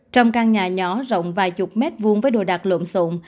trong căn nhà nhỏ rộng vài chục mét vuông với đồ đạ lộn xộn